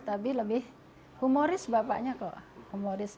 tapi lebih humoris bapaknya kok